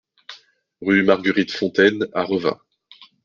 Rue Marguerite Fontaine à Revin